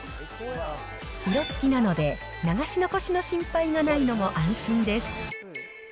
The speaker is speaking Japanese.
色つきなので、流し残しの心配がないのも安心です。